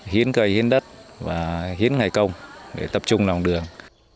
hiến cây hiến đất và hiến ngày công để tập trung lòng đường